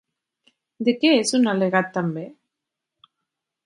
De què és un al·legat també?